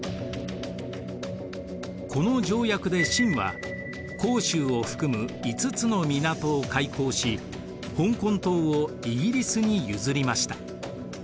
この条約で清は広州を含む５つの港を開港し香港島をイギリスに譲りました。